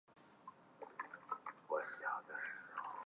克伦威尔的头颅被挑在长矛上四处游街。